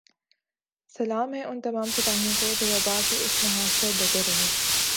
سلام ہے ان تمام سپاہیوں کو جو وبا کے اس محاذ پر ڈٹے رہے